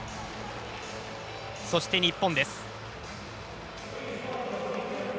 そして、日本です。